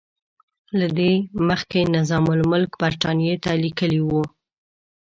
له دې مخکې نظام الملک برټانیې ته لیکلي وو.